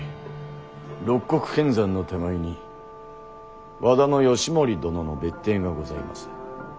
六国見山の手前に和田義盛殿の別邸がございます。